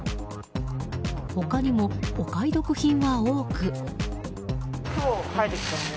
他にもお買い得品は多く。